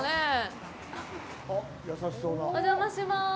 お邪魔します。